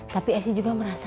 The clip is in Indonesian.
tapi esi juga merasa